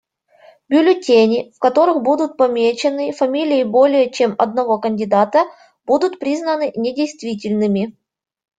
Бюллетени, в которых будут помечены фамилии более чем одного кандидата, будут признаны недействительными.